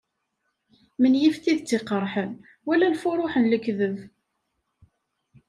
Menyif tidet iqerḥen, wala lfuruḥ n lekdeb.